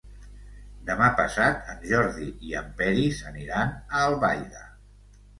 Demà passat en Jordi i en Peris aniran a Albaida.